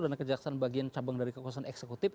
dan kejaksaan bagian cabang dari kekuasaan eksekutif